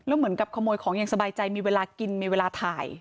เหมือนกับขโมยของอย่างสบายใจมีเวลากินมีเวลาถ่าย